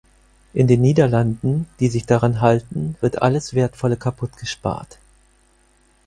In den Niederlanden, die sich daran halten, wird alles Wertvolle kaputtgespart.